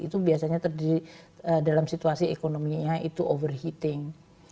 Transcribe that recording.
itu biasanya terjadi dalam situasi ekonominya itu overheating